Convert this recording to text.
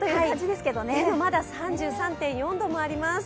でも、まだ３３．４度もあります。